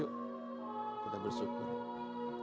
yuk kita bersyukur